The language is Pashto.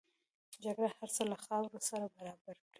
جګړه هر څه له خاورو سره برابر کړي